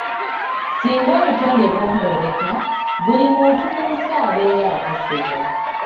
Singa obutonde bwonooneka, buli muntu mu nsi abeera akosebwa.